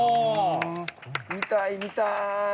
見たい見たい。